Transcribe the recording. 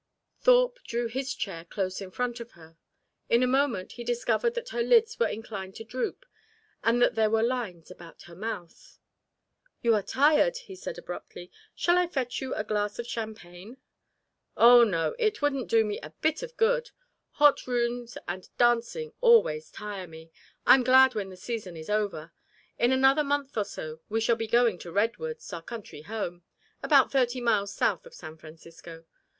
Thorpe drew his chair close in front of her. In a moment he discovered that her lids were inclined to droop, and that there were lines about her mouth. "You are tired," he said abruptly. "Shall I fetch you a glass of champagne?" "Oh, no; it wouldn't do me a bit of good. Hot rooms and dancing always tire me. I'm glad when the season is over. In another month or so we shall be going to Redwoods, our country home about thirty miles south of San Francisco.